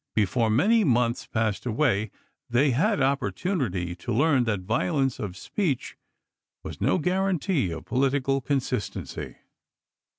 Before many months passed away they had opportunity to learn that violence of speech was no guarantee of political consistency.